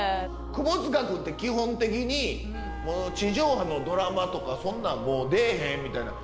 窪塚君って基本的に地上波のドラマとかそんなんもう出えへんみたいな。